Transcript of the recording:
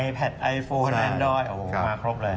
แพทไอโฟนแอนดอยมาครบเลย